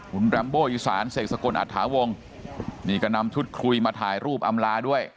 คุณแรมโบอีสานเสกสกลอัตถาวงนี่ก็นำชุดคุยมาถ่ายรูปอำลาด้วย